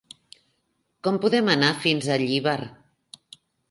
Com podem anar fins a Llíber?